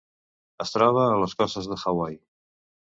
Es troba a les costes de Hawaii.